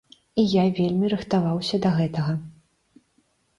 І я вельмі рыхтаваўся да гэтага.